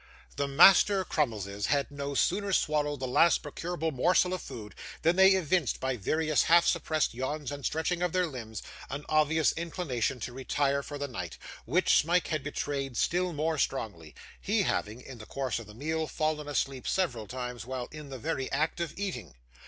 The Master Crummleses had no sooner swallowed the last procurable morsel of food, than they evinced, by various half suppressed yawns and stretchings of their limbs, an obvious inclination to retire for the night, which Smike had betrayed still more strongly: he having, in the course of the meal, fallen asleep several times while in the very act of eating.